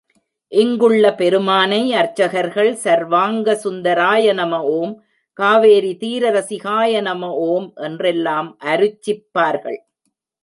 இங்குள்ள பெருமானை அர்ச்சகர்கள் சர்வாங்க சுந்தராய நம ஓம், காவேரி தீர ரஸிகாய நம ஓம் என்றெல்லாம் அருச்சிப்பார்கள்.